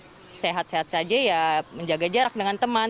jadi sehat sehat saja ya menjaga jarak dengan teman